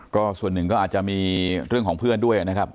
ก็ส่วนหนึ่งก็อาจจะมีเรื่องของเพื่อนด้วยนะครับ